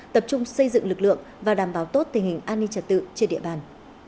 tập trung xây dựng lực lượng và đảm bảo tốt tình hình an ninh trật tự trên địa bàn